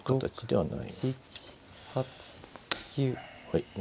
はい。